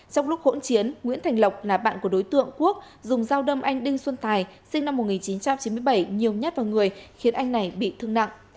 trong lúc hỗn chiến nguyễn thành lộc là bạn của đối tượng quốc dùng dao đâm anh đinh xuân tài sinh năm một nghìn chín trăm chín mươi bảy nhiều nhát vào người khiến anh này bị thương nặng